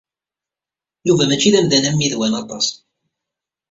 Yuba mačči d amdan ammidwan aṭas.